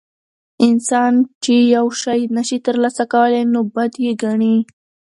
انسان چې یو شی نشي ترلاسه کولی نو بد یې ګڼي.